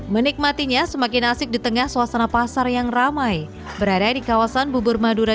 menikmatinya semakin asik di tengah suasana pasar yang ramai berada di kawasan bubur madura